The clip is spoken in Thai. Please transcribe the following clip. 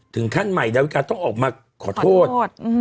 ท่านใหม่ดาวิกาต้องออกมาขอโทษ